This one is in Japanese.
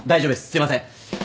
すいません。